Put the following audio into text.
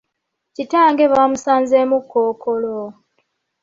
Kitange bamusanzeemu kkookolo.